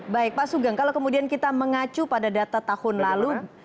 baik pak sugeng kalau kemudian kita mengacu pada data tahun lalu